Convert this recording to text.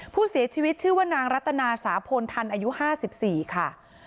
ผู้เสียชีวิตชื่อว่านางรัตนาสาพลทันอายุ๕๔ค่ะ